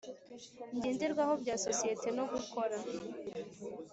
ngenderwaho bya sosiyete no gukora